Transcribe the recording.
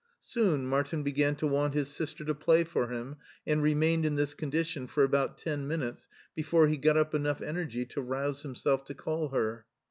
Soon Martin began to want his sister to play for him, and remained in this condition for about ten minutes before he got up enough energy to rouse himself to call her.